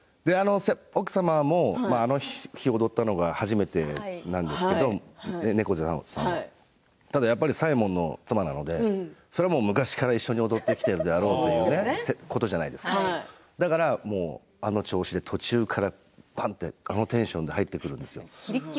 奥様もあの日踊ったのが初めてなんですけど猫背さんはね、ただやっぱり左衛門の妻なので昔から踊ってきているだろうということじゃないですかだからあの調子で途中からあのテンションで入ってくるんですよ。